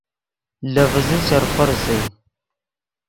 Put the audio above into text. لے ڤیزے چرخو ریسئے